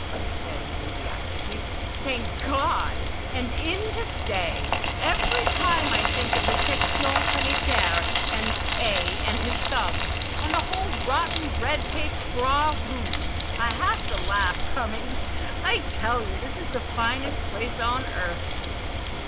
B. said enthusiastically. "Thank God! And in to stay. Every time I think of the section sanitaire, and A. and his thugs, and the whole rotten red taped Croix Rouge, I have to laugh. Cummings, I tell you this is the finest place on earth!"